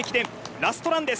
ラストランです。